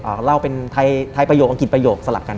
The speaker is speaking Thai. เอ่อเล่าเป็นทายประโยคอังกฤษประโยคสลักกัน